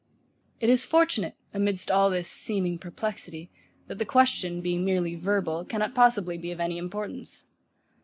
It is fortunate, amidst all this seeming perplexity, that the question, being merely verbal, cannot possibly be of any importance.